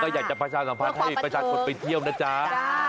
อยากจะประชาสัมพันธ์ให้ประชาชนไปเที่ยวนะจ๊ะ